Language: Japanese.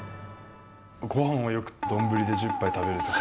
ごはんをよく、丼で１０杯食べるとか。